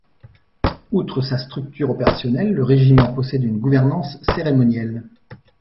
Outre sa structure opérationnelle, le régiment possède une gouvernance cérémonielle.